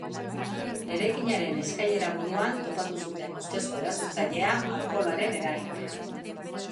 Eraikinaren eskailera-buruan topatu zuten ustezko erasotzailea alkoholaren eraginpean.